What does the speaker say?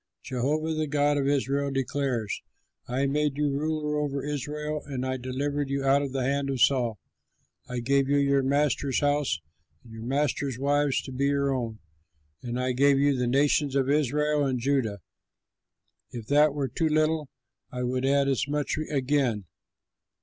Jehovah the God of Israel declares: 'I made you ruler over Israel and I delivered you out of the hand of Saul. I gave you your master's house and your master's wives to be your own, and I gave you the nations of Israel and Judah. If that were too little, I would add as much again.